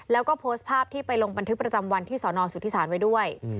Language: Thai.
แล้วก็โพสต์ภาพที่ไปลงบันทึกประจำวันที่สอนอสุทธิศาลไว้ด้วย